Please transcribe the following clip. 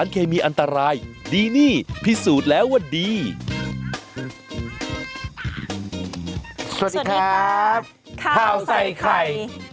ข้าวใส่ไข่